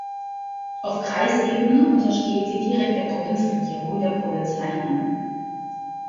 Auf Kreisebene untersteht sie direkt der Provinzregierung der Provinz Hainan.